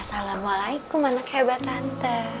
assalamu'alaikum anak hebat tante